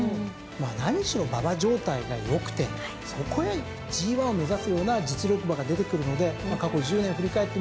何しろ馬場状態が良くてそこへＧⅠを目指すような実力馬が出てくるので過去１０年を振り返ってみると？